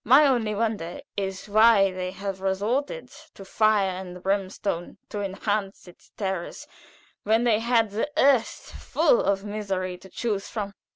My only wonder is why they should have resorted to fire and brimstone to enhance its terrors when they had the earth full of misery to choose from."